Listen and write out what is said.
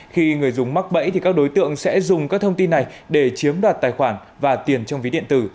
khi người dùng mắc bẫy thì các đối tượng sẽ dùng các thông tin này để chiếm đoạt tài khoản và tiền trong ví điện tử